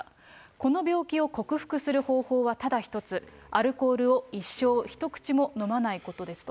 この病気を克服する方法はただ一つ、アルコールを一生一口も飲まないことですと。